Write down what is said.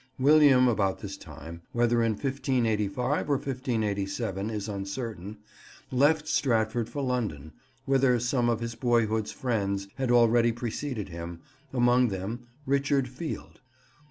William about this time, whether in 1585 or 1587 is uncertain, left Stratford for London, whither some of his boyhood's friends had already preceded him, among them Richard Field.